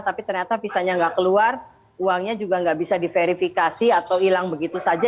tapi ternyata visanya nggak keluar uangnya juga nggak bisa diverifikasi atau hilang begitu saja